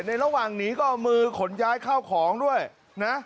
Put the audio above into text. ระหว่างหนีก็เอามือขนย้ายเข้าของด้วยนะ